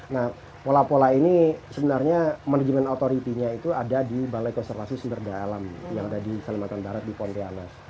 nah pola pola ini sebenarnya manajemen authority nya itu ada di balai konservasi sumberda alam yang ada di kalimantan barat di pontianak